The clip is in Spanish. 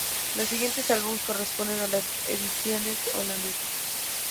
Los siguiente álbumes corresponden a las ediciones holandesas.